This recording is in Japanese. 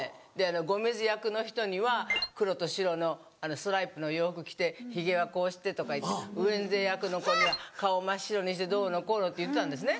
ゴメズ役の人には黒と白のストライプの洋服着てヒゲはこうしてとかウェンズデー役の子は顔真っ白にしてどうのこうのって言ってたんですね。